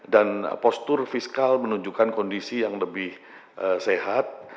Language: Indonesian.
dan postur fiskal menunjukkan kondisi yang lebih sehat